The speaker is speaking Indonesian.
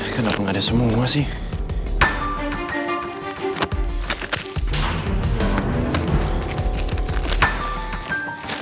kenapa nggak ada semua sih